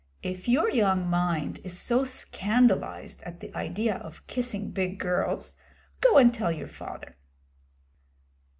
If your young mind is so scandalised at the idea of kissing big girls, go and tell your father.'